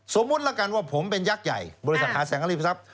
สมมุติแล้วกันว่าผมเป็นยักษ์ใหญ่บริษัทหาแสงอริทรัพย